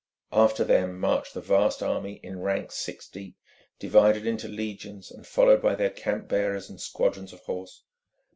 After them marched the vast army in ranks six deep, divided into legions and followed by their camp bearers and squadrons of horse.